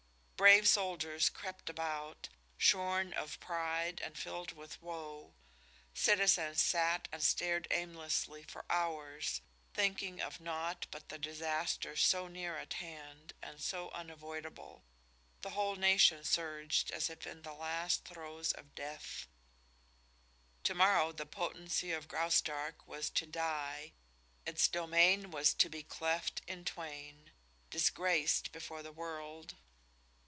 Brave soldiers crept about, shorn of pride and filled with woe. Citizens sat and stared aimlessly for hours, thinking of naught but the disaster so near at hand and so unavoidable. The whole nation surged as if in the last throes of death. To morrow the potency of Graustark was to die, its domain was to be cleft in twain, disgraced before the world.